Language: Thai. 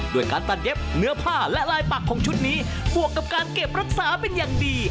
ด้วยการตัดเย็บเนื้อผ้าและลายปักของชุดนี้บวกกับการเก็บรักษาเป็นอย่างดี